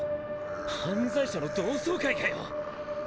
犯罪者の同窓会かよ。